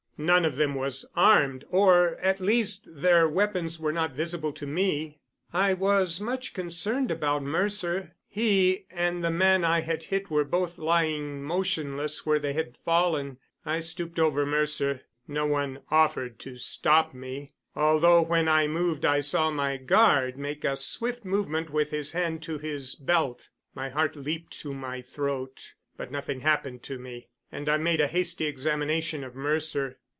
None of them was armed or, at least, their weapons were not visible to me. I was much concerned about Mercer. He and the man I had hit were both lying motionless where they had fallen. I stooped over Mercer. No one offered to stop me, although when I moved I saw my guard make a swift movement with his hand to his belt. My heart leaped to my throat, but nothing happened to me, and I made a hasty examination of Mercer.